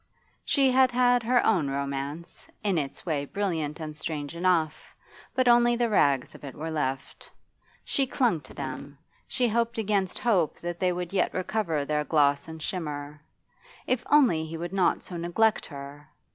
She had had her own romance, in its way brilliant and strange enough, but only the rags of it were left. She clung to them, she hoped against hope that they would yet recover their gloss and shimmer. If only he would not so neglect her!